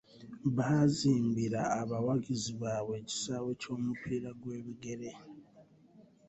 Baazimbira abawagizi baabwe ekisaawe ky'omupiira gw'ebigere.